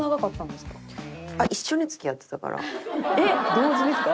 同時ですか？